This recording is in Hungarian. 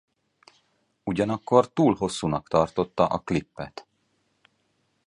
Ugyanakkor túl hosszúnak tartotta a klipet.